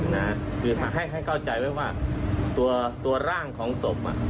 คือให้เข้าใจไว้ว่าตัวร่างของศพ